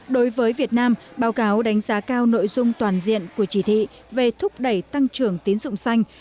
đối với việt nam báo cáo đánh giá cao nội dung toàn diện của chỉ thị về thúc đẩy tăng trưởng tiến dụng xanh